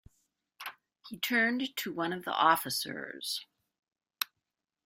He turned to one of the officers.